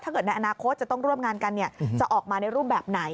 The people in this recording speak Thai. ถ้าเกิดในอนาคตจะต้องร่วมงานกันเนี่ยจะออกมาในรูปแบบไหน